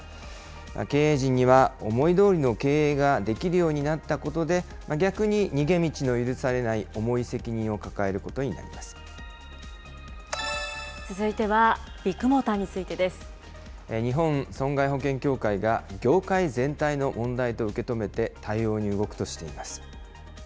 経営陣には思いどおりの経営ができるようになったことで、逆に逃げ道の許されない重い責任を抱え続いては、ビッグモーターに日本損害保険協会が業界全体の問題と受け止めて、対応に動くとしています。